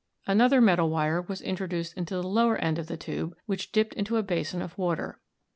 Another metal wire was intro duced into the lower end of the tube, which dipped into a basin of water.